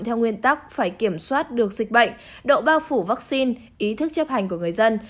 theo nguyên tắc phải kiểm soát được dịch bệnh độ bao phủ vaccine ý thức chấp hành của người dân